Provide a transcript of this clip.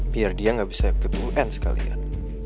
biar dia gak bisa ketu un sekalian